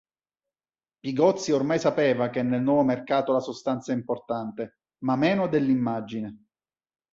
Pigozzi ormai sapeva che nel nuovo mercato la sostanza è importante, ma meno dell'immagine.